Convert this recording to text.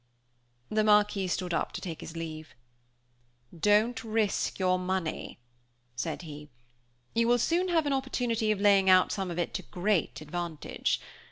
The Marquis stood up to take his leave. "Don't risk your money," said he. "You will soon have an opportunity of laying out some of it to great advantage.